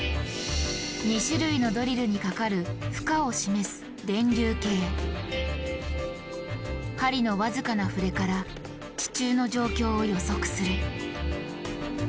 ２種類のドリルにかかる「負荷」を示す針の僅かな振れから地中の状況を予測する。